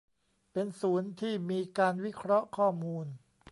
เป็นศูนย์ที่มีการวิเคราะห์ข้อมูล